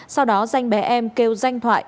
sau đó danh bé em kêu danh thoại